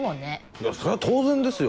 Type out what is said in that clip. いやそれは当然ですよ。